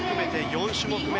４種目め。